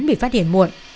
bị phát hiện muộn